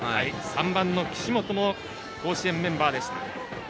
３番の岸本も甲子園メンバーでした。